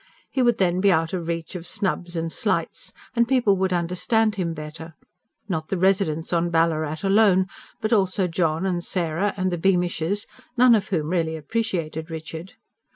He would then be out of reach of snubs and slights, and people would understand him better not the residents on Ballarat alone, but also John, and Sarah, and the Beamishes, none of whom really appreciated Richard.